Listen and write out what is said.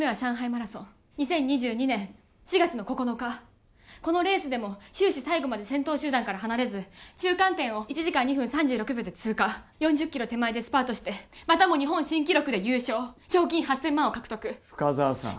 マラソン２０２２年４月の９日このレースでも終始最後まで先頭集団から離れず中間点を１時間２分３６秒で通過４０キロ手前でスパートしてまたも日本新記録で優勝賞金８０００万を獲得深沢さん